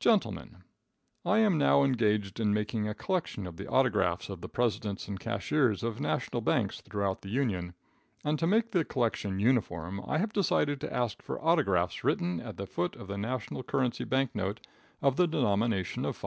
Gentlemen I am now engaged in making a collection of the autographs of the presidents and cashiers of national banks throughout the Union, and to make the collection uniform, I have decided to ask for autographs written at the foot of the national currency bank note of the denomination of $5.